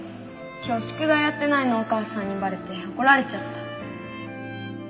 今日宿題やってないのお母さんにバレて怒られちゃった。